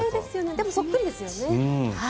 でもそっくりですよね。